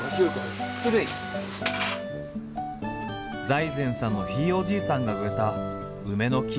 財前さんのひいおじいさんが植えた梅の木。